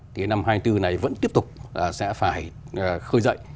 thì năm hai nghìn hai mươi bốn này vẫn tiếp tục sẽ phải khơi dậy